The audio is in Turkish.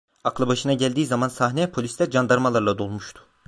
Aklı başına geldiği zaman sahne, polisler, candarmalarla dolmuştu…